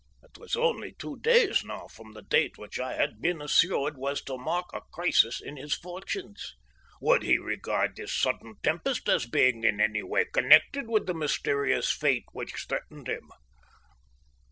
It was only two days now from the date which I had been assured was to mark a crisis in his fortunes. Would he regard this sudden tempest as being in any way connected with the mysterious fate which threatened him?